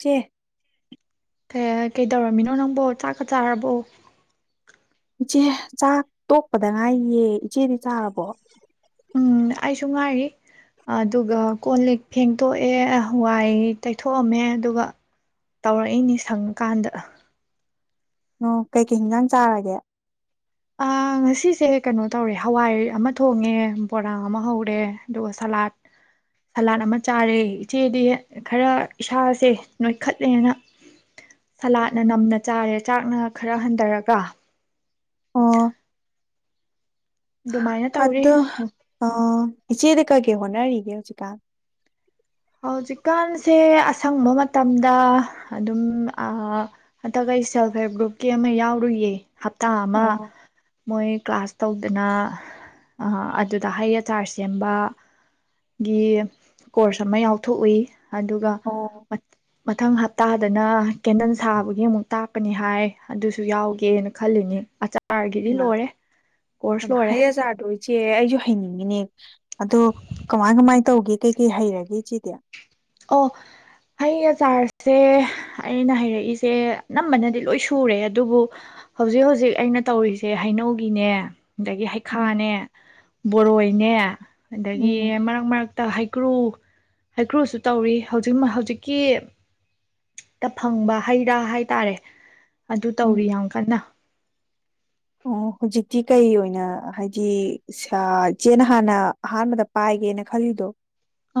ꯆꯦ ꯀꯩꯗꯧꯔꯝꯃꯤꯅꯣ ꯅꯪꯕꯣ ꯆꯥꯛꯀ ꯆꯥꯔꯕꯣ ꯏꯆꯦ ꯆꯥꯛ ꯇꯣꯛꯄꯗ ꯉꯥꯏꯌꯦ ꯏꯆꯦꯗꯤ ꯆꯥꯔꯕꯣ ꯎꯝ ꯑꯩꯁꯨ ꯉꯥꯏꯔꯤ ꯑꯗꯨꯒ ꯀꯣꯜ ꯂꯤꯛ ꯐꯦꯡꯗꯣꯛꯑꯦ ꯋꯥꯏ ꯇꯩꯊꯣꯛꯑꯝꯃꯦ ꯑꯗꯨꯒ ꯇꯧꯔꯛꯏꯅꯤ ꯁꯪꯀꯥꯟꯗ ꯅ ꯀꯩꯀꯩ ꯏꯒꯥꯡ ꯆꯥꯔꯒꯦ ꯉꯁꯤꯁꯦ ꯀꯩꯅꯣ ꯇꯧꯔꯦ ꯍꯋꯥꯏ ꯑꯃ ꯊꯣꯡꯉꯦ ꯕꯣꯔꯥꯡ ꯑꯃ ꯍꯧꯔꯦ ꯑꯗꯨꯒ ꯁꯂꯥꯠ ꯁꯂꯥꯠ ꯑꯃ ꯆꯥꯔꯦ ꯏꯆꯦꯗꯤ ꯈꯔ ꯏꯁꯥꯁꯦ ꯅꯣꯏꯈꯠꯂꯦꯅ ꯁꯂꯥꯠꯅ ꯅꯝꯅ ꯆꯥꯔꯦ ꯆꯥꯛꯅ ꯈꯔ ꯍꯟꯊꯔꯒ ꯑꯣ ꯑꯗꯨꯃꯥꯏꯅ ꯇꯧꯔꯤ ꯈꯗ ꯑ ꯏꯆꯦꯗ ꯀꯩꯀꯦ ꯍꯣꯠꯅꯔꯤꯒꯦ ꯍꯧꯖꯤꯛꯀꯥꯟ ꯍꯧꯖꯤꯛꯀꯥꯟꯁꯦ ꯑꯁꯪꯕ ꯃꯇꯝꯗ ꯑꯗꯨꯝ ꯍꯟꯇꯛ ꯑꯩ ꯁꯦꯜꯞ ꯍꯦꯜꯞ ꯒ꯭ꯔꯨꯞꯀꯤ ꯑꯃ ꯌꯥꯎꯔꯨꯏꯌꯦ ꯍꯞꯇꯥ ꯑꯃ ꯑꯣ ꯃꯣꯏ ꯀ꯭ꯂꯥꯁ ꯇꯧꯗꯨꯅ ꯑꯗꯨꯗ ꯍꯩ ꯑꯆꯥꯥꯔ ꯁꯦꯝꯕ ꯒꯤ ꯀꯣꯔꯁ ꯊꯃꯩ ꯌꯥꯥꯎꯊꯣꯛꯎꯏ ꯑꯗꯨꯒ ꯑꯣ ꯃꯊꯪ ꯍꯞꯇꯥꯗꯅ ꯀꯦꯟꯗꯜ ꯁꯥꯕꯒꯤ ꯑꯃꯨꯛ ꯇꯥꯛꯄꯅꯤ ꯍꯥꯏ ꯑꯗꯨꯁꯨ ꯌꯥꯎꯒꯦꯅ ꯈꯜꯂꯤꯅꯤ ꯑꯆꯥꯔꯒꯤꯗꯤ ꯏꯃ ꯂꯣꯏꯔꯦ ꯀꯣꯔꯁ ꯏꯃ ꯂꯣꯏꯔꯦ ꯍꯌꯦꯖꯥꯗꯣ ꯏꯆꯦ ꯑꯩꯁꯨ ꯍꯩꯅꯤꯡꯉꯤꯅꯦ ꯑꯗꯣ ꯀꯃꯥꯏ ꯀꯃꯥꯏ ꯇꯧꯒꯦ ꯀꯩ ꯀꯩ ꯍꯩꯔꯒꯦ ꯏꯆꯤꯗꯤ ꯑꯣ ꯍꯌꯦꯡꯆꯥꯥꯔꯖꯁꯦ ꯑꯩꯅ ꯍꯩꯔꯛꯏꯁꯦ ꯑꯅꯝꯕꯅꯗꯤ ꯂꯣꯏ ꯁꯨꯔꯦ ꯑꯗꯨꯕꯨ ꯍꯧꯖꯤꯛ ꯍꯧꯖꯤꯛ ꯑꯩꯅ ꯇꯧꯔꯤꯁꯦ ꯍꯩꯅꯧꯒꯤꯅꯦ ꯑꯗꯒꯤ ꯎꯝ ꯍꯩꯈꯥꯅꯦ ꯕꯣꯔꯣꯅꯦ ꯑꯗꯒꯤ ꯎꯝ ꯃꯔꯛ ꯃꯔꯛꯇ ꯍꯩꯀ꯭ꯔꯨ ꯍꯥꯏ ꯀ꯭ꯔꯣꯁ ꯇꯧꯔꯤ ꯍꯧꯖꯤꯛ ꯍꯧꯖꯤꯛꯀꯤ ꯇ ꯐꯪꯕ ꯍꯩ ꯔꯥ ꯍꯥꯏꯇꯥꯔꯦ ꯑꯗꯨ ꯇꯧꯔꯤ ꯎꯝ ꯌꯥꯝ ꯀꯟꯅ ꯑꯣ ꯍꯧꯖꯤꯛꯇꯤ ꯀꯩ ꯑꯣꯏꯅ ꯍꯥꯏꯗꯤ ꯏꯆꯦꯅ ꯍꯥꯟꯅ ꯑꯍꯥꯟꯕꯗ ꯄꯥꯏꯒꯦꯅ ꯈꯜꯂꯤꯗꯣ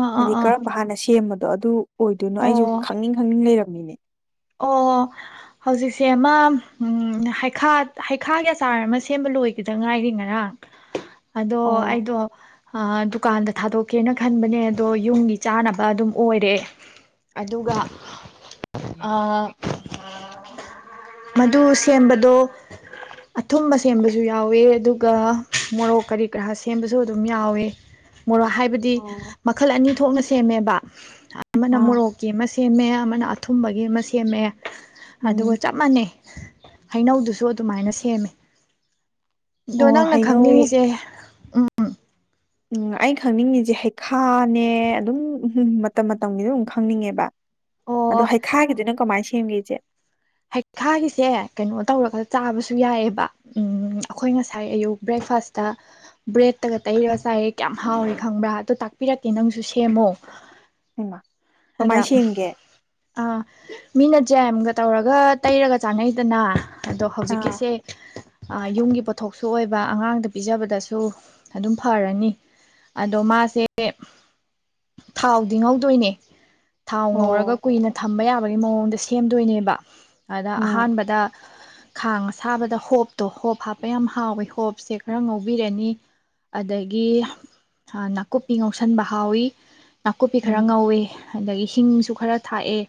ꯑꯥ ꯑꯥ ꯍꯥꯏꯗꯤ ꯑꯥ ꯀꯔꯝꯕ ꯍꯥꯟꯅ ꯁꯦꯝꯕꯅꯣ ꯑꯗꯣ ꯑꯗꯨ ꯑꯣꯏꯗꯣꯏꯅꯣ ꯑꯣ ꯑꯩꯁꯨ ꯈꯪꯅꯤꯡ ꯈꯪꯅꯤꯡ ꯂꯩꯔꯝꯃꯤꯅꯦ ꯑꯣ ꯍꯧꯖꯤꯛꯁꯦ ꯑꯃ ꯍꯩꯈꯥ ꯍꯩꯈꯥꯒꯤ ꯑꯆꯥꯔ ꯑꯃ ꯁꯦꯝꯕ ꯂꯣꯏꯒꯗ ꯉꯥꯏꯔꯤ ꯉꯔꯥꯡ ꯑꯗꯣ ꯑꯣ ꯑꯗꯣ ꯑ ꯗꯨꯀꯥꯟꯗ ꯊꯥꯗꯣꯛꯀꯦꯅ ꯈꯟꯕꯅꯦ ꯑꯗꯣ ꯌꯨꯝꯒꯤ ꯆꯥꯅꯕ ꯑꯗꯨꯝ ꯑꯣꯏꯔꯦ ꯑꯗꯨꯒ ꯑ ꯃꯗꯨ ꯁꯦꯝꯕꯗꯣ ꯑꯊꯨꯝꯕ ꯁꯦꯝꯕꯁꯨ ꯌꯥꯎꯋꯦ ꯑꯗꯨꯒ ꯃꯣꯔꯣꯛ ꯀꯔꯤ ꯀꯔꯥ ꯁꯦꯝꯕꯁꯨ ꯑꯗꯨꯝ ꯌꯥꯎꯋꯦ ꯃꯣꯔꯣ ꯍꯥꯏꯕꯗꯤ ꯑꯣ ꯃꯈꯜ ꯑꯅꯤ ꯊꯣꯛꯅ ꯁꯦꯝꯦꯃꯦꯕ ꯑꯃꯅ ꯑꯥ ꯃꯣꯔꯣꯛꯀꯤ ꯑꯃ ꯁꯦꯝꯃꯦ ꯑꯃꯅ ꯊꯨꯝꯃꯒꯦ ꯒꯤ ꯑꯃ ꯁꯦꯝꯃꯛꯑꯦ ꯑꯗꯨꯒ ꯎꯝ ꯆꯞ ꯃꯥꯟꯅꯩ ꯍꯩꯅꯧꯗꯨꯁꯨ ꯑꯗꯨꯃꯥꯏꯅ ꯁꯦꯝꯃꯦ ꯑꯗꯣ ꯑꯣ ꯅꯪꯅ ꯍꯩꯅꯧ ꯈꯪꯅꯤꯡꯉꯤꯁꯦ ꯎꯝ ꯎꯝ ꯑꯩ ꯈꯪꯅꯤꯡꯉꯤꯁꯦ ꯍꯩꯈꯥꯅꯦ ꯑꯗꯨꯝ ꯎꯝ ꯃꯇꯝ ꯃꯇꯝꯒꯤ ꯑꯗꯨ ꯑꯗꯨꯝ ꯈꯪꯅꯤꯡꯉꯦꯕ ꯑꯗꯣ ꯑꯣ ꯍꯩꯈꯥꯒꯤꯗꯨꯅ ꯀꯃꯥꯏ ꯊꯝꯒꯦꯁꯦ ꯍꯩꯈꯥꯒꯤꯁꯦ ꯀꯩꯅꯣ ꯇꯧꯔꯒ ꯆꯥꯕꯁꯨ ꯌꯥꯏꯑꯕ ꯎꯝ ꯑꯩꯈꯣꯏ ꯉꯁꯥꯏ ꯑꯌꯨꯛ ꯕ꯭ꯔꯦꯛꯐꯥꯁꯇ ꯕ꯭ꯔꯦꯠꯇꯒ ꯇꯩꯔꯒ ꯆꯥꯏꯌꯦ ꯀꯌꯥꯝ ꯍꯥꯎꯏꯦ ꯈꯪꯕ꯭ꯔꯥ ꯑꯗꯨꯗꯣ ꯇꯥꯛꯄꯤꯔꯛꯀꯦ ꯅꯪꯁꯨ ꯁꯦꯝꯃꯣ ꯏꯃ ꯑꯗ ꯑ ꯃꯤꯅ ꯖꯦꯝꯒ ꯇꯧꯔꯒ ꯇꯩꯔꯒ ꯆꯥꯡꯅꯩꯗꯅ ꯑꯗꯣ ꯑꯥ ꯍꯧꯖꯤꯛꯀꯤꯁꯦ ꯌꯨꯝꯒꯤ ꯄꯣꯠ ꯄꯣꯊꯣꯛꯁꯨ ꯑꯣꯏꯕ ꯑꯉꯥꯡꯗ ꯄꯤꯖꯕꯗꯁꯨ ꯑꯗꯨꯝ ꯐꯔꯅꯤ ꯑꯗꯣ ꯃꯥꯁꯦ ꯊꯥꯎꯗꯤ ꯉꯧꯗꯣꯏꯅꯦ ꯊꯥꯎ ꯉꯧꯔꯒ ꯑꯣ ꯀꯨꯏꯅ ꯊꯝꯕ ꯌꯥꯕꯒꯤ ꯃꯑꯣꯡꯗ ꯁꯦ ꯁꯦꯝꯗꯣꯏꯅꯦꯕ ꯑꯗ ꯎꯝ ꯑꯍꯥꯟꯕꯗ ꯈꯥꯡ ꯑꯁꯥꯕꯗ ꯍꯣꯞꯇꯣ ꯍꯣꯞ ꯍꯥꯞꯄ ꯌꯥꯝ ꯍꯥꯎꯋꯦ ꯍꯣꯞꯁꯦ ꯈꯔ ꯉꯧꯕꯤꯔꯅꯤ ꯑꯗꯒꯤ ꯅꯥꯀꯨꯞꯄꯤ ꯉꯧꯁꯟꯕ ꯍꯥꯎꯋꯤ ꯅꯥꯀꯨꯞꯄꯤ ꯈꯔ ꯎꯝ ꯉꯧꯋꯤ ꯑꯗꯒꯤ ꯍꯤꯡꯁꯨ ꯈꯔ ꯊꯥꯛꯑꯦ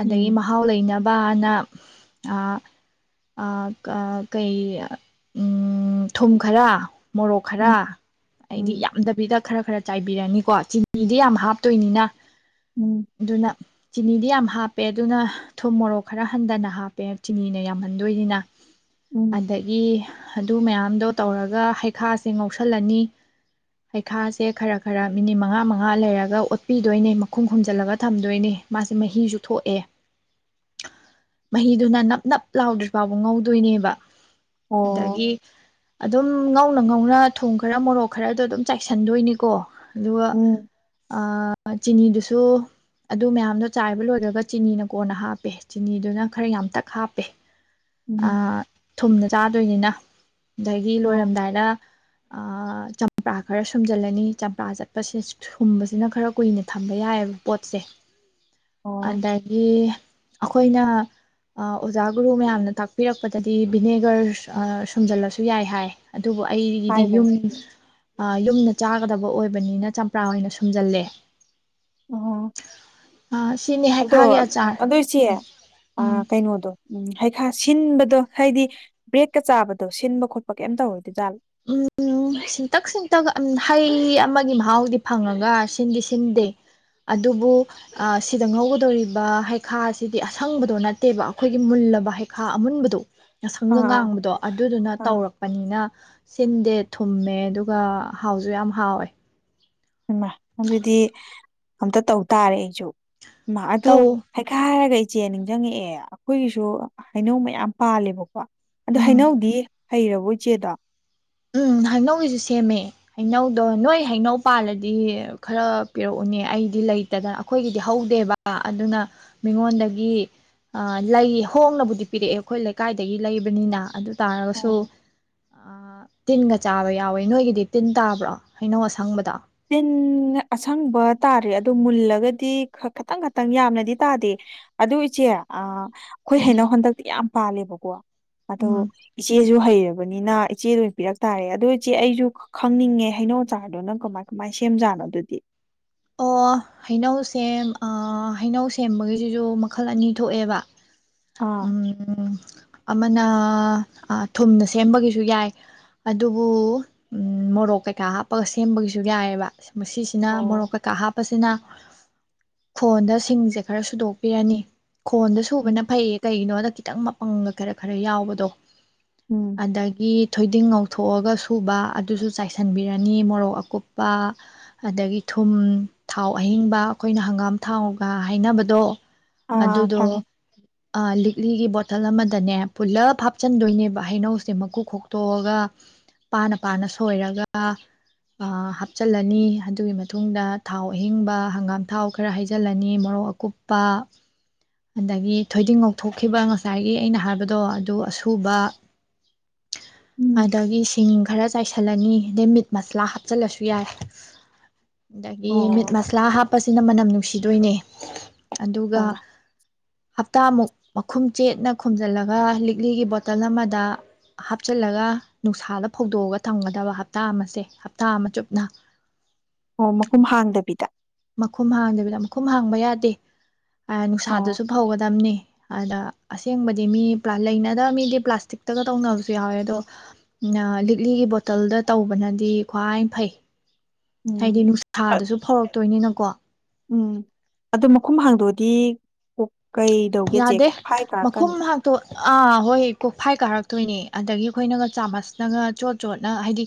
ꯑꯗꯒꯤ ꯎꯝ ꯃꯍꯥꯎ ꯂꯩꯅꯕꯅ ꯑꯥ ꯑꯥ ꯀꯩ ꯊꯨꯝ ꯈꯔ ꯃꯣꯔꯣꯛ ꯈꯔ ꯎꯝ ꯑꯩꯗꯤ ꯎꯝ ꯌꯥꯝꯗꯕꯤꯗ ꯈꯔ ꯈꯔ ꯆꯥꯏꯕꯤꯔꯅꯤꯀꯣ ꯆꯤꯅꯤꯗꯤ ꯌꯥꯝ ꯍꯥꯞꯇꯣꯏꯅꯤꯅ ꯎꯝ ꯑꯗꯨꯅ ꯆꯤꯅꯤꯗꯤ ꯌꯥꯝ ꯍꯥꯞꯄꯦ ꯑꯗꯨꯅ ꯊꯨꯝ ꯃꯣꯔꯣꯛ ꯈꯔ ꯍꯟꯊꯅ ꯍꯥꯞꯄꯦ ꯆꯤꯅꯤꯅ ꯌꯥꯝꯍꯟꯗꯣꯏꯅꯤꯅ ꯎꯝ ꯑꯗꯒꯤ ꯑꯗꯨ ꯃꯌꯥꯝꯗꯣ ꯇꯧꯔꯒ ꯍꯩꯈꯥꯁꯦ ꯉꯧꯁꯜꯂꯅꯤ ꯍꯩꯈꯥꯁꯦ ꯈꯔ ꯈꯔ ꯃꯤꯅꯤꯠ ꯃꯉꯥ ꯃꯉꯥ ꯂꯩꯔꯒ ꯑꯣꯠꯄꯤꯗꯣꯏꯅꯦ ꯃ ꯈꯨꯝ ꯈꯨꯝꯖꯤꯜꯂꯒ ꯊꯝꯗꯣꯏꯅꯦ ꯃꯥꯁꯦ ꯃꯍꯤꯁꯨ ꯊꯣꯛꯑꯦ ꯃꯍꯤꯗꯨꯅ ꯅꯞ ꯅꯞ ꯂꯥꯎꯗ꯭ꯔꯤ ꯐꯥꯎꯕ ꯉꯧꯗꯣꯏꯅꯦꯕ ꯑꯣ ꯑꯗꯒꯤ ꯑꯗꯨꯝ ꯉꯧꯅ ꯉꯧꯅ ꯊꯨꯝ ꯈꯔ ꯃꯣꯔꯣꯛ ꯈꯔꯗꯣ ꯑꯗꯨꯝ ꯆꯥꯏꯁꯟꯗꯣꯏꯅꯤꯀꯣ ꯑꯗꯨꯒ ꯎꯝ ꯑꯥ ꯆꯤꯅꯤ ꯗꯨꯁꯨ ꯑꯗꯨꯣ ꯑꯗꯨ ꯃꯌꯥꯝꯗꯣ ꯆꯥꯏꯕ ꯂꯣꯏꯔꯒ ꯆꯤꯅꯤꯅ ꯀꯣꯟꯅ ꯍꯥꯞꯄꯦ ꯆꯤꯅꯤꯗꯨꯅ ꯈꯔ ꯌꯥꯝ ꯇꯛ ꯍꯥꯞꯄꯦ ꯎꯝ ꯊꯨꯝꯅ ꯆꯥꯗꯣꯏꯅꯤꯅ ꯑꯗꯒꯤ ꯑꯣ ꯂꯣꯏꯔꯝꯗꯥꯏꯗ ꯆꯝꯄ꯭ꯔꯥ ꯈꯔ ꯁꯨꯝꯖꯤꯜꯂꯅꯤ ꯆꯝꯄ꯭ꯔꯥ ꯆꯠꯄꯁꯦ ꯁꯨꯝꯕꯁꯤꯅ ꯈꯔ ꯀꯨꯏꯅ ꯊꯝꯕ ꯌꯥꯏꯑꯕ ꯄꯣꯠꯁꯦ ꯑꯣ ꯑꯗꯒꯤ ꯑꯩꯈꯣꯏꯅ ꯑꯣꯖꯥ ꯒꯨꯔꯨ ꯃꯌꯥꯝꯅ ꯇꯥꯛꯄꯤꯔꯛꯄꯗꯗꯤ ꯚꯅꯦꯒꯔ ꯁꯨꯝꯖꯤꯜꯂꯁꯨ ꯌꯥꯏ ꯍꯥꯏ ꯑꯗꯨꯕꯨ ꯑꯩꯒꯤꯗꯤ ꯍꯥꯏꯕꯅꯤ ꯌꯨꯝ ꯑꯥ ꯌꯨꯝꯗ ꯆꯥꯒꯗꯕ ꯑꯣꯏꯕꯅꯤꯅ ꯆꯝꯄ꯭ꯔꯥ ꯑꯣꯏꯅ ꯁꯨꯝꯖꯜꯂꯦ ꯑꯣ ꯑꯗꯣ ꯍꯩꯈꯥꯒꯤ ꯑꯆꯥꯔ ꯑꯗꯣ ꯏꯆꯦ ꯎꯝ ꯀꯩꯅꯣꯗꯣ ꯎꯝ ꯍꯩ ꯈꯥ ꯁꯤꯟꯕꯗꯣ ꯍꯥꯏꯗꯤ ꯕ꯭ꯔꯦꯛꯀ ꯆꯥꯕꯗꯣ ꯁꯤꯟꯕ ꯈꯣꯠꯄ ꯀꯩꯝꯇ ꯇꯩꯔꯣꯏ ꯎꯝ ꯁꯤꯟꯇꯛ ꯁꯤꯟꯇꯛ ꯎꯝꯝ ꯍ ꯍꯩ ꯑꯃꯒꯤ ꯃꯍꯥꯎꯗꯤ ꯐꯪꯉꯒ ꯁꯤꯟꯗꯤ ꯁꯤꯟꯗꯦ ꯑꯗꯨꯕꯨ ꯁꯤꯗ ꯉꯧꯒꯗꯧꯔꯤꯕ ꯍꯩꯈꯥꯁꯤꯗꯤ ꯑꯁꯪꯕꯗꯣ ꯅꯠꯇꯦꯕ ꯑꯩꯈꯣꯏꯒꯤ ꯃꯨꯜꯂꯕ ꯍꯩꯈꯥ ꯑꯃꯨꯟꯕꯗꯣ ꯉꯥꯁꯪꯒ ꯑꯥ ꯑꯥ ꯉꯥꯡꯕꯗꯣ ꯑꯗꯨꯗꯨꯅ ꯑꯥ ꯇꯧꯔꯛꯄꯅꯤꯅ ꯁꯤꯟꯗꯦ ꯊꯨꯝꯃꯦ ꯑꯗꯨꯒ ꯍꯥꯎꯁꯨ ꯌꯥꯝ ꯍꯥꯎꯋꯦ ꯎꯃ ꯑꯗꯨꯗꯤ ꯑꯝꯇ ꯇꯧ ꯇꯥꯔꯦ ꯑꯩꯁꯨ ꯃꯥ ꯑꯗꯨ ꯇꯧ ꯍꯀꯥꯏ ꯍꯔꯒ ꯏꯆꯦ ꯅꯤꯡꯁꯤꯡꯉꯛꯑꯦ ꯑꯩꯈꯣꯏꯒꯤꯁꯨ ꯍꯩꯅꯧ ꯃꯌꯥꯝ ꯄꯥꯜꯂꯦꯕꯀꯣ ꯑꯣ ꯎꯝ ꯍꯩꯅꯧꯗꯤ ꯍꯩꯔꯕꯣ ꯏꯆꯦꯗꯣ ꯎꯝ ꯍꯩꯅꯧꯒꯤꯁꯨ ꯁꯦꯝꯃꯦ ꯍꯩꯅꯧꯗꯣ ꯅꯣꯏ ꯍꯩꯅꯧ ꯄꯥꯜꯂꯗꯤ ꯈꯔ ꯄꯤꯔꯛꯎꯅꯦ ꯑꯩꯗꯤ ꯂꯩꯇꯗꯅ ꯑꯩꯈꯣꯏꯒꯤꯗꯤ ꯍꯧꯗꯦꯕ ꯑꯗꯨꯅ ꯃꯤꯉꯣꯟꯗꯒꯤ ꯂꯩ ꯍꯣꯡꯅꯕꯨꯗꯤ ꯄꯤꯔꯛꯑꯦ ꯑꯩꯈꯣꯏ ꯂꯩꯀꯥꯏꯗꯒꯤ ꯂꯩꯕꯅꯤꯅ ꯑꯗꯨ ꯇꯥꯔꯒꯁꯨ ꯑꯣ ꯇꯤꯟꯒ ꯆꯥꯕ ꯌꯥꯎꯋꯦ ꯅꯣꯏꯒꯤꯗꯤ ꯇꯤꯟ ꯇꯥꯕ꯭ꯔꯣ ꯍꯩꯅꯧ ꯑꯁꯪꯕꯗ ꯇꯤꯟ ꯑꯁꯪꯕ ꯇꯥꯔꯦ ꯑꯗꯨ ꯃꯨꯜꯂꯒꯗꯤ ꯈꯇꯪ ꯈꯇꯪ ꯌꯥꯝꯅꯗꯤ ꯇꯥꯗꯦ ꯑꯗꯨ ꯏꯆꯦ ꯑꯩꯈꯣꯏ ꯎꯝ ꯍꯩꯅꯧ ꯍꯟꯗꯛꯇꯤ ꯌꯥꯝ ꯄꯥꯜꯂꯦꯕꯀꯣ ꯑꯗꯣ ꯎꯝ ꯏꯆꯦꯁꯨ ꯍꯩꯔꯕꯅꯤꯅ ꯅꯤꯅ ꯏꯆꯦꯗ ꯑꯣꯏꯅ ꯄꯤꯔꯛ ꯇꯥꯔꯦ ꯑꯗꯨ ꯏꯆꯦ ꯑꯩꯁꯨ ꯈꯪꯅꯤꯡꯉꯦ ꯍꯩꯅꯧ ꯆꯆꯥꯔꯗꯣ ꯅꯪ ꯀꯃꯥꯏꯅ ꯀꯃꯥꯏ ꯁꯦꯝꯖꯥꯠꯅꯣ ꯑꯗꯨꯗꯤ ꯑꯣ ꯍꯩꯅꯧ ꯁꯦꯝ ꯍꯩꯅꯧ ꯁꯦꯝꯕꯒꯤꯁꯤꯁꯨ ꯃꯈꯜ ꯑꯅꯤ ꯊꯣꯛꯑꯦꯕ ꯑꯥ ꯎꯝ ꯎꯝ ꯑꯃꯅ ꯊꯨꯝꯅ ꯁꯦꯝꯕꯒꯤꯁꯨ ꯌꯥꯏ ꯑꯗꯨꯕꯨ ꯃꯣꯔꯣꯛ ꯀꯩꯀꯥ ꯍꯥꯞꯄꯒ ꯁꯦꯝꯕꯒꯤꯁꯨ ꯌꯥꯏꯑꯕ ꯃꯁꯤꯁꯤꯅ ꯑꯣ ꯃꯣꯔꯣꯛꯀ ꯍꯥꯞꯄꯁꯤꯅ ꯈꯣꯟꯗ ꯁꯤꯡꯁꯦ ꯈꯔ ꯁꯨꯗꯣꯛꯄꯤꯔꯅꯤ ꯈꯣꯟꯗ ꯁꯨꯕꯅ ꯎꯝ ꯐꯩꯌꯦ ꯀꯩꯒꯤꯅꯣꯗ ꯈꯤꯇꯪ ꯃꯄꯪꯒ ꯈꯔ ꯈꯔ ꯌꯥꯎꯕꯗꯣ ꯎꯝ ꯑꯗꯥꯒꯤ ꯊꯣꯏꯗꯤꯡ ꯉꯧꯊꯣꯛꯑꯒ ꯁꯨꯕ ꯑꯗꯨꯁꯨ ꯆꯥꯏꯁꯤꯟꯕꯤꯔꯅꯤ ꯃꯣꯔꯣꯛ ꯑꯀꯨꯞꯄ ꯑꯗꯥꯒꯤ ꯊꯨꯝ ꯊꯥꯎ ꯑꯍꯤꯡꯕ ꯑꯩꯈꯣꯏꯅ ꯍꯪꯒꯥꯝ ꯊꯥꯎꯒ ꯍꯥꯏꯅꯕꯗꯣ ꯑꯥ ꯑꯗꯨꯗꯣ ꯈꯪꯉꯦ ꯂꯤꯛꯂꯤꯒꯤ ꯕꯣꯇꯜ ꯑꯃꯗꯅꯦ ꯄꯨꯜꯂꯞ ꯍꯥꯞꯆꯤꯟꯗꯣꯏꯅꯦꯕ ꯍꯩꯅꯧꯁꯦ ꯃꯀꯨ ꯈꯣꯛꯇꯣꯛꯑꯒ ꯄꯥꯅ ꯄꯥꯅ ꯁꯣꯏꯔꯒ ꯍꯥꯞꯆꯤꯜꯂꯅꯤ ꯑꯗꯨꯒꯤ ꯃꯇꯨꯡꯗ ꯊꯥꯎ ꯑꯍꯤꯡꯕ ꯍꯪꯒꯥꯝ ꯊꯥꯎ ꯈꯔ ꯍꯩꯖꯤꯜꯂꯅꯤ ꯃꯣꯔꯣꯛ ꯑꯀꯨꯞꯄ ꯑꯗꯒꯤ ꯊꯣꯏꯗꯤꯡ ꯉꯧꯊꯣꯛꯈꯤꯕ ꯉꯁꯥꯏꯒꯤ ꯑꯩꯅ ꯍꯥꯏꯕꯗꯣ ꯑꯗꯨ ꯄꯨꯕ ꯎꯝ ꯑꯗꯒꯤ ꯁꯤꯡ ꯈꯔ ꯆꯥꯏꯁꯤꯜꯂꯅꯤ ꯑꯗꯩ ꯃꯤꯠ ꯃꯁꯂꯥ ꯍꯥꯞꯆꯜꯂꯁꯨ ꯌꯥꯏ ꯃꯤꯠ ꯑꯣ ꯃꯁꯥꯂꯥ ꯍꯥꯞꯄꯁꯤꯅ ꯃꯅꯝ ꯅꯨꯡꯁꯤ ꯅꯨꯡꯁꯤꯗꯣꯏꯅꯦ ꯑꯗꯨꯒ ꯈꯪꯉꯦ ꯍꯞꯇꯥꯃꯨꯛ ꯃꯈꯨꯝ ꯆꯦꯠꯅ ꯈꯨꯝꯖꯤꯜꯂꯒ ꯂꯤꯛꯂꯤꯒꯤ ꯕꯣꯇꯜ ꯑꯃꯗ ꯍꯥꯞꯆꯤꯜꯂꯒ ꯅꯨꯡꯁꯥꯗ ꯐꯧꯗꯣꯛꯑꯒ ꯊꯝꯒꯗꯕ ꯍꯞꯇꯥ ꯑꯃꯁꯦ ꯍꯞꯇꯥ ꯑꯃ ꯆꯨꯞꯅ ꯑꯣ ꯃꯈꯨꯝ ꯍꯥꯡꯗꯕꯤꯗ ꯃꯈꯨꯝ ꯍꯥꯡꯗꯕꯤꯗ ꯃꯈꯨꯝ ꯍꯥꯡꯕ ꯌꯥꯗꯦ ꯑꯣ ꯅꯨꯡꯁꯥꯗꯨꯁꯨ ꯐꯧꯒꯗꯝꯕꯅꯤ ꯑꯗꯥ ꯑꯁꯦꯡꯕꯗꯤ ꯃꯤ ꯂꯩꯅꯗꯕ ꯃꯤꯗꯤ ꯄ꯭ꯂꯥꯁꯇꯤꯛꯇꯒ ꯇꯧꯅꯕꯁꯨ ꯌꯥꯎꯋꯦ ꯑꯗꯣ ꯂꯤꯛꯂꯤꯒꯤ ꯕꯣꯇꯜꯗ ꯇꯧꯕꯅꯗꯤ ꯈ꯭ꯋꯥꯏ ꯐꯩ ꯍꯥꯏꯗꯤ ꯎꯝ ꯑ- ꯅꯨꯡꯁꯥꯗꯨꯁꯨ ꯐꯧꯔꯛꯇꯣꯏꯅꯤꯅꯀꯣ ꯎꯝ ꯑꯗꯨꯣ ꯃꯈꯨꯝ ꯍꯥꯡꯗꯣꯛꯑꯗꯤ ꯀ ꯀꯩꯗꯧꯒꯦ ꯆꯦ ꯌꯥꯗꯦ ꯐꯥꯏ ꯀꯥꯔꯛꯀꯅꯤ ꯃꯈꯨꯝ ꯍꯥꯛꯇꯣ ꯑꯥ ꯍꯣꯏ ꯀꯣꯛꯐꯥꯏ ꯀꯥꯔꯛꯇꯣꯏꯅꯦ ꯑꯗꯒꯤ ꯑꯩꯈꯣꯏꯅꯒ ꯆꯥꯃꯁꯅꯒ ꯆꯣꯠ ꯆꯣꯠꯅ ꯍꯥꯏꯗꯤ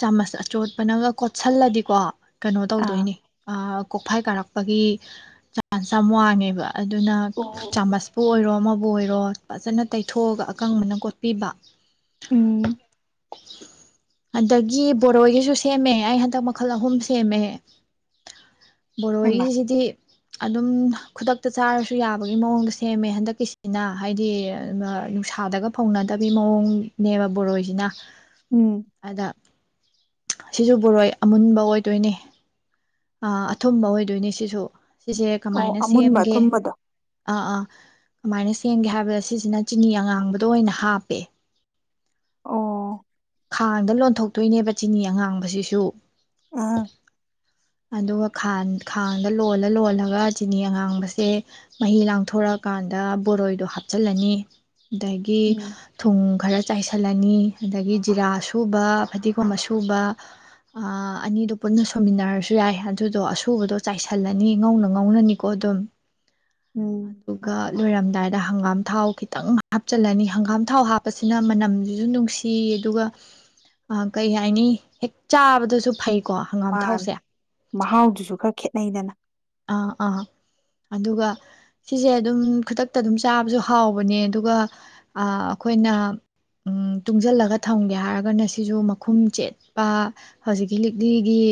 ꯆꯥꯃꯁ ꯑꯆꯣꯠꯄꯅꯒ ꯀꯣꯠꯁꯤꯜꯂꯗꯤꯀꯣ ꯀꯩꯅꯣ ꯑꯥ ꯇꯧꯗꯣꯏꯅꯤ ꯑ ꯀꯣꯛꯐꯥꯏ ꯀꯥꯔꯛꯄꯒꯤ ꯆꯥꯟꯁ ꯌꯥꯝ ꯋꯥꯡꯉꯦꯕ ꯑꯗꯨꯅ ꯑꯣ ꯆꯥꯃꯁꯄꯨ ꯑꯣꯏꯔꯣ ꯑꯃꯕꯨ ꯑꯣꯏꯔꯣ ꯐꯖꯅ ꯇꯩꯊꯣꯛꯑꯒ ꯑꯀꯪꯕꯅ ꯀꯣꯠꯄꯤꯕ ꯎꯝ ꯑꯗꯒꯤ ꯕꯣꯔꯣꯏꯒꯤꯁꯨ ꯁꯦꯝꯃꯦ ꯑꯩ ꯍꯟꯗꯛ ꯃꯈꯜ ꯑꯍꯨꯝ ꯁꯦꯝꯃꯦ ꯍꯩꯃꯥ ꯕꯣꯔꯣꯒꯤꯁꯤꯗꯤ ꯑꯗꯨꯝ ꯈꯨꯗꯛꯇ ꯆꯥꯔꯁꯨ ꯌꯥꯕ ꯐꯕꯒꯤ ꯃꯑꯣꯡꯗꯣ ꯁꯦꯝꯃꯦ ꯍꯟꯗꯛꯀꯤꯁꯤꯅ ꯍꯥꯏꯗꯤ ꯅꯨꯡꯁꯥꯗꯒ ꯐꯧꯅꯗꯕꯤ ꯃꯑꯣꯡꯅꯦꯕ ꯕꯣꯔꯣꯏꯁꯤꯅ ꯎꯝ ꯑꯗ ꯁꯤꯁꯨ ꯕꯣꯔꯣꯏ ꯑꯃꯨꯟꯕ ꯑꯣꯏꯗꯣꯏꯅꯦ ꯑ ꯑꯊꯨꯝꯕ ꯑꯣꯏꯗꯣꯏꯅꯦ ꯁꯤꯁꯨ ꯁꯤꯁꯦ ꯑꯣ ꯀꯃꯥꯏꯅ ꯑꯃꯨꯟꯕ ꯁꯦꯝꯒꯦ ꯑꯊꯨꯝꯕꯗꯣ ꯑꯥ ꯑꯥ ꯀꯃꯥꯏꯅ ꯁꯦꯝꯒꯦ ꯍꯥꯏꯕꯗ ꯁꯤꯁꯤꯅ ꯆꯤꯅꯤ ꯑꯉꯥꯡꯕꯗꯣ ꯑꯣꯏꯅ ꯍꯥꯞꯄꯦ ꯑꯣ ꯈꯥꯡꯗ ꯂꯣꯟꯊꯣꯛꯇꯣꯏꯅꯦꯕ ꯆꯤꯅꯤ ꯑꯉꯥꯡꯕꯁꯤꯁꯨ ꯑ ꯑꯗꯨꯒ ꯈꯥꯡꯗ ꯂꯣꯜꯂ ꯂꯣꯜꯂꯒ ꯆꯤꯅꯤ ꯑꯉꯥꯡꯕꯁꯦ ꯃꯍꯤ ꯂꯥꯡꯊꯣꯔꯛꯑꯀꯥꯟꯗ ꯕꯣꯔꯣꯏꯗꯣ ꯍꯥꯞꯆꯤꯜꯂꯅꯤ ꯑꯗꯒꯤ ꯎꯝ ꯊꯨꯝ ꯈꯔ ꯆꯥꯏꯁꯤꯜꯂꯅꯤ ꯑꯗꯒꯤ ꯖꯤꯔꯥ ꯁꯨꯕ ꯐꯗꯤꯒꯣꯝꯕ ꯁꯨꯕ ꯑꯅꯤꯗꯨ ꯄꯨꯟꯅ ꯁꯣꯃꯤꯟꯅꯔꯁꯨ ꯌꯥꯏ ꯑꯗꯨꯗꯣ ꯑꯁꯨꯕꯗꯣ ꯆꯥꯏꯁꯜꯂꯅꯤ ꯉꯧꯅ ꯉꯧꯅꯅꯤꯀꯣ ꯑꯗꯨꯝ ꯎꯝ ꯑꯗꯨꯒ ꯂꯣꯏꯔꯝꯗꯥꯏꯗ ꯗ ꯍꯪꯒꯥꯝ ꯊꯥꯎ ꯈꯤꯇꯪ ꯍꯥꯞꯆꯤꯜꯂꯅꯤ ꯍꯪꯒꯥꯝ ꯊꯥꯎ ꯍꯥꯞꯄꯁꯤꯅ ꯃꯅꯝꯁꯤꯁꯨ ꯅꯨꯡꯁꯤ ꯑꯗꯨꯒ ꯀꯩ ꯍꯥꯏꯅꯤ ꯍꯦꯛ ꯆꯥꯕꯗꯁꯨ ꯐꯩ ꯀꯣ ꯍꯪꯒꯥꯝ ꯃꯥꯅꯦ ꯊꯥꯎꯁꯦ ꯃꯍꯥꯎꯗꯨꯁꯨ ꯈꯔ ꯈꯦꯠꯅꯩꯗꯅ ꯑꯥ ꯑꯥ ꯑꯗꯨꯒ ꯁꯤꯁꯦ ꯑꯗꯨꯝ ꯈꯨꯗꯛꯇ ꯑꯗꯨꯝ ꯆꯥꯕꯁꯨ ꯍꯥꯎꯕꯅꯦ ꯑꯗꯨꯒ ꯑꯩꯈꯣꯏꯅ ꯇꯨꯡꯁꯤꯜꯂꯒ ꯊꯝꯒꯦ ꯍꯥꯏꯔꯒꯅ ꯁꯤꯁꯨ ꯃꯈꯨꯝ ꯆꯦꯠꯄ ꯍꯧꯖꯤꯛꯀꯤ ꯂꯤꯛꯂꯤꯒꯤ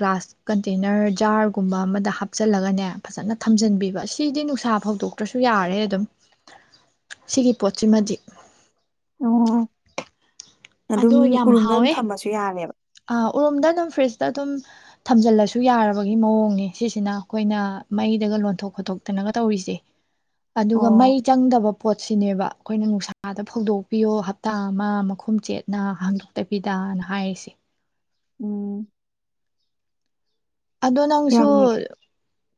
ꯒ꯭ꯂꯥꯁ ꯀꯟꯇꯦꯅꯔ ꯖꯥꯔ ꯒꯨꯝꯕ ꯑꯃꯗ ꯍꯥꯞꯆꯜꯂꯒꯅꯦ ꯐꯖꯅ ꯊꯝꯖꯤꯟꯕꯤꯕ ꯁꯤꯗꯤ ꯅꯨꯡꯁꯥ ꯐꯧꯗꯣꯛꯇ꯭ꯔꯁꯨ ꯌꯥꯔꯦ ꯑꯗꯨꯝ ꯁꯤꯒꯤ ꯄꯣꯠꯁꯤꯃꯗꯤ ꯎꯝ ꯑꯗꯣ ꯌꯥꯝ ꯍꯥꯎꯋꯦ ꯌꯥꯔꯦꯕ ꯑ ꯎꯔꯣꯝꯗ ꯑꯗꯨꯝ ꯐ꯭ꯔꯤꯁ ꯑꯗꯨꯝ ꯊꯝꯖꯤꯜꯂꯁꯨ ꯌꯥꯔꯕꯒꯤ ꯃꯑꯣꯡꯅꯦ ꯁꯤꯁꯤꯅ ꯑꯩꯈꯣꯏꯅ ꯃꯩꯗꯒ ꯂꯣꯟꯊꯣꯛ ꯈꯣꯠꯇꯣꯛꯇꯅꯒ ꯇꯧꯔꯤꯁꯦ ꯑꯗꯨꯒ ꯃꯩ ꯑꯣ ꯆꯪꯗꯕ ꯄꯣꯠ ꯁꯤꯅꯦꯕ ꯑꯩꯈꯣꯏꯅ ꯅꯨꯡꯁꯥꯗ ꯐꯧꯗꯣꯛꯄꯤꯌꯣ ꯍꯞꯇꯥ ꯑꯃ ꯃꯈꯨꯝꯆꯦꯠ ꯅ ꯍꯥꯡꯗꯣꯛꯇꯕꯤꯗꯅ ꯍꯥꯏꯔꯤꯁꯦ ꯎꯝ ꯑꯗꯣ ꯅꯪꯁꯨ ꯌꯥꯝ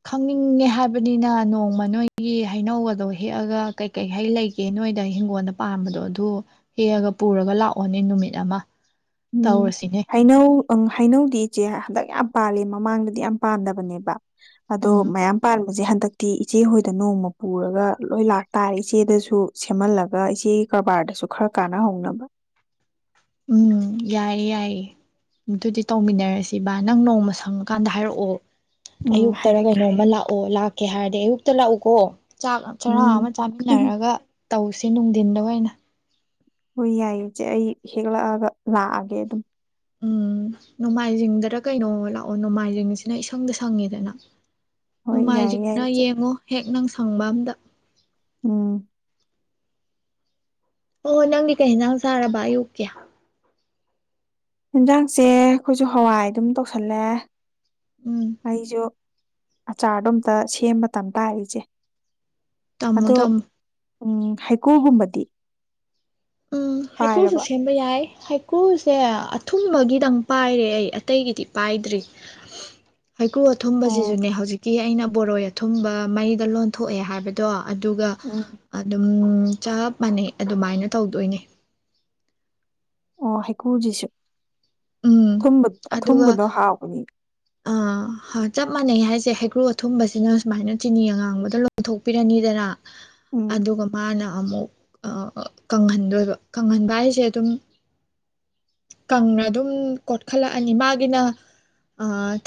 ꯈꯪꯅꯤꯡꯉ ꯍꯥꯏꯕꯅꯤꯅ ꯅꯣꯡꯃ ꯅꯣꯏꯒꯤ ꯍꯩꯅꯧꯗꯣ ꯍꯦꯛꯑꯒ ꯀꯩꯀꯩꯍꯩ ꯂꯩꯒꯦ ꯅꯣꯏꯗ ꯍꯤꯡꯒꯣꯜꯗ ꯄꯥꯝꯕꯗꯣ ꯑꯗꯨ ꯍꯦꯛꯑꯒ ꯄꯨꯔꯒ ꯂꯥꯛꯑꯣꯅꯦ ꯅꯨꯃꯤꯠ ꯑꯃ ꯎꯝ ꯇꯧꯔꯁꯤꯅꯦ ꯍꯩꯅꯧ ꯑꯪ ꯍꯩꯅꯧꯗꯤ ꯏꯆꯦ ꯍꯟꯗꯛ ꯌꯥꯝ ꯄꯥꯜꯂꯤ ꯃꯃꯥꯡꯗꯗꯤ ꯌꯥꯝ ꯄꯥꯗꯕꯅꯦꯕ ꯑꯗꯣ ꯎꯝ ꯃꯌꯥꯝ ꯄꯥꯜꯜꯂꯤ ꯍꯧꯖꯤꯛ ꯍꯟꯗꯛꯇꯤ ꯏꯆꯦ ꯍꯣꯏꯗ ꯅꯣꯡꯃ ꯄꯨꯔꯒ ꯂꯣꯏ ꯂꯥꯛꯇꯥꯔꯦ ꯏꯆꯦꯗꯁꯨ ꯁꯦꯝꯍꯜꯂꯒ ꯏꯆꯦꯒꯤ ꯀꯔꯕꯥꯔꯗꯁꯨ ꯈꯔ ꯀꯥꯟꯅꯍꯧꯅꯕ ꯎꯝ ꯌꯥꯏꯌꯦ ꯌꯥꯏꯌꯦ ꯑꯗꯨꯗꯤ ꯇꯧꯃꯤꯟꯅꯔꯁꯤ ꯅꯪ ꯅꯣꯡꯃ ꯁꯪꯉꯀꯥꯟꯗ ꯍꯥꯏꯔꯛꯑꯣ ꯎꯝ ꯑꯌꯨꯛꯇꯔ ꯍꯥꯏꯔꯛꯀꯦ ꯀꯩꯅꯣꯝꯃ ꯂꯥꯛꯑꯣ ꯂꯥꯛ ꯀꯩ ꯍꯥꯏꯔꯗꯤ ꯑꯌꯨꯛꯇ ꯂꯥꯛꯎꯀꯣ ꯆꯥꯛ ꯆꯔꯥ ꯑꯃ ꯎꯝ ꯆꯥꯃꯤꯟꯅꯔꯒ ꯇꯧꯁꯦ ꯅꯨꯡꯊꯤꯟꯗꯅ ꯍꯣꯏ ꯌꯥꯏꯌꯦ ꯏꯆꯦ ꯑꯩ ꯍꯦꯛꯂꯛꯑꯒ ꯂꯥꯛꯑꯒꯦ ꯑꯗꯨꯝ ꯎꯝ ꯅꯣꯡꯃꯥꯏꯖꯤꯡꯗꯔ ꯀꯩꯅꯣ ꯂꯥꯛꯑꯣ ꯅꯣꯡꯃꯥꯏꯖꯤꯡꯁꯤꯅ ꯏꯁꯪꯗ ꯁꯪꯉꯦꯗꯅ ꯍꯣꯏ ꯌꯥꯏꯌꯦ ꯌꯥꯏꯌꯦ ꯅꯣꯡꯃꯥꯏꯖꯤꯡꯅ ꯏꯆꯦ ꯌꯦꯡꯉꯨ ꯍꯦꯛ ꯅꯪ ꯁꯪꯕꯥꯝꯗ ꯎꯝ ꯑꯣꯍꯣ ꯅꯪꯗꯤ ꯀꯩꯟ ꯅꯥꯡ ꯁꯥꯔꯕ ꯑꯌꯨꯛꯀꯦ ꯌꯦꯟꯖꯥꯡꯁꯦ ꯑꯩꯈꯣꯏꯁꯨ ꯍꯋꯥꯏ ꯑꯗꯨꯝ ꯇꯧꯁꯜꯂꯦ ꯎꯝ ꯑꯩꯁꯨꯣ ꯑꯆꯥꯔꯗꯣ ꯑꯝꯇ ꯁꯦꯝꯕ ꯃꯇꯝ ꯇꯥꯔꯤꯆꯦ ꯇꯃꯨ ꯇꯃꯨ ꯎꯝ ꯍꯩꯀꯣꯒꯨꯝꯕꯗꯤ ꯎꯝ ꯍꯩꯀꯨꯜꯁꯨ ꯁꯦꯝꯕ ꯌꯥꯏ ꯍꯩꯀ꯭ꯔꯨꯁꯦ ꯑꯊꯨꯝꯕꯒꯤꯗꯪ ꯄꯥꯏꯔꯦ ꯑꯩ ꯑꯇꯩꯒꯤꯗꯤ ꯄꯥꯏꯗ꯭ꯔꯤ ꯍꯩꯀ꯭ꯔꯨ ꯑꯣ ꯑꯊꯨꯝꯕꯁꯤꯁꯨꯅꯦ ꯍꯧꯖꯤꯛ ꯀ ꯑꯩꯅ ꯕꯣꯔꯣꯏ ꯑꯊꯨꯝꯕ ꯃꯩꯗ ꯂꯣꯟꯊꯣꯛꯑꯦ ꯍꯥꯏꯕꯗꯣ ꯑꯗꯨꯒ ꯎꯝ ꯑꯗꯨꯝ ꯆꯞ ꯃꯥꯟꯅꯩ ꯑꯗꯨꯃꯥꯏꯅ ꯇꯧꯗꯣꯏꯅꯦ ꯑꯣ ꯍꯥꯏꯦꯛꯀꯨꯖꯤꯁꯨ ꯎꯝ ꯑꯊꯨꯝꯕꯗꯣ ꯍꯥꯎꯕꯅꯤ ꯑꯥ ꯆꯞ ꯃꯥꯟꯅꯩ ꯍꯥꯏꯁꯦ ꯍꯩꯀ꯭ꯔꯨ ꯑꯊꯨꯝꯕꯁꯤꯅ ꯁꯨꯃꯥꯏꯅ ꯆꯤꯅꯤ ꯑꯉꯥꯡꯕꯗ ꯂꯣꯟꯊꯣꯛꯄꯤꯔꯅꯤꯗꯅ ꯎꯝ ꯑꯗꯨꯒ ꯃꯥꯅ ꯑꯃꯨꯛ ꯀꯪꯍꯟꯗꯣꯏꯕ ꯀꯪꯍꯟꯕ ꯍꯥꯏꯁꯦ ꯑꯗꯨꯝ ꯀꯪꯅ ꯑꯗꯨꯝ ꯀꯣꯠꯈꯠꯂꯛꯑꯅꯤ ꯃꯥꯒꯤꯅ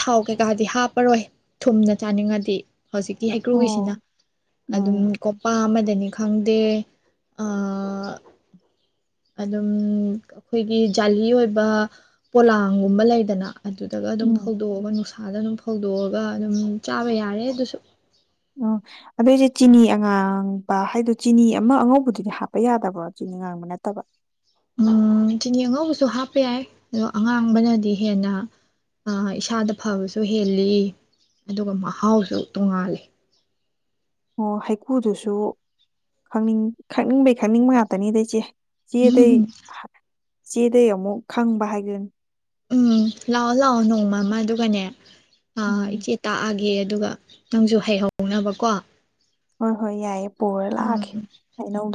ꯊꯥꯎ ꯀꯩꯀꯥꯗꯤ ꯍꯥꯞꯄꯔꯣꯏ ꯊꯨꯝꯅ ꯆꯥꯅꯤꯡꯉꯗꯤ ꯍꯧꯖꯤꯛꯀꯤ ꯍꯩꯀ꯭ꯔꯨꯒꯤꯁꯤꯅ ꯑꯣ ꯑꯗꯨꯝ ꯎꯝ ꯀꯣꯄꯥ ꯑꯃꯗꯅꯤ ꯈꯪꯗꯦ ꯑ ꯑꯗꯨꯝ ꯑꯩꯈꯣꯏꯒꯤ ꯖꯥꯂꯤ ꯑꯣꯏꯕ ꯄꯣꯂꯥꯡꯒꯨꯝꯕ ꯂꯩꯗꯅ ꯑꯗꯨꯗꯒ ꯑꯗꯨꯝ ꯎꯝ ꯐꯧꯗꯣꯛꯑꯒ ꯅꯨꯡꯁꯥꯗ ꯑꯗꯨꯝ ꯍꯧꯗꯣꯛꯑꯒ ꯑꯗꯨꯝ ꯆꯥꯕ ꯌꯥꯔꯦ ꯑꯗꯨꯁꯨ ꯎꯝ ꯑꯗꯨꯏꯁꯦ ꯆꯤꯅꯤ ꯑꯉꯥꯡꯕ ꯍꯥꯏꯗꯣ ꯆꯤꯅꯤ ꯑꯃ ꯑꯉꯧꯕꯗꯨꯗꯤ ꯍꯥꯞꯄ ꯌꯥꯗꯕ꯭ꯔꯣ ꯆꯤꯅꯤ ꯉꯥꯡꯕ ꯅꯠꯇꯕ ꯎꯝ ꯆꯤꯅꯤ ꯑꯉꯧꯕꯁꯨ ꯍꯥꯞꯄ ꯌꯥꯏ ꯑꯗꯣ ꯑꯉꯥꯡꯕꯅꯗꯤ ꯍꯦꯟꯅ ꯑ ꯏꯁꯥꯗ ꯐꯕꯁꯨ ꯍꯦꯜꯂꯤ ꯑꯗꯨꯒ ꯃꯍꯥꯎꯁꯨ ꯇꯣꯡꯉꯥꯜꯂꯦ ꯑꯣ ꯍꯩꯀꯨ ꯗꯨꯁꯨ ꯈꯪꯅꯤꯡꯕꯩ ꯈꯪꯅꯤꯡꯕ ꯉꯥꯛꯇꯅꯤꯗ ꯏꯆꯦ ꯎꯝꯍꯨꯝꯍꯨꯝ ꯆꯦ ꯗꯩ ꯑꯃꯨꯛ ꯈꯪꯕꯍꯥꯏꯗꯨꯅꯤ ꯎꯝ ꯂꯥꯛꯑꯣ ꯂꯥꯛꯑꯣ ꯅꯣꯡꯃ ꯃ ꯑꯗꯨꯒꯅꯦ ꯑ ꯎꯝ ꯏꯆꯦ ꯇꯥꯛ ꯑꯒꯦ ꯗꯨꯒ ꯅꯪꯖꯨ ꯍꯩꯍꯧꯅꯕ ꯀꯣ ꯍꯣꯏ ꯍꯣꯏ ꯌꯥꯏꯌꯦ ꯄꯨꯔ ꯂꯥꯛꯑꯒꯦ ꯍꯩꯅꯧꯗꯨ